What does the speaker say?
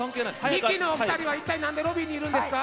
ミキのお二人は一体何でロビーにいるんですか？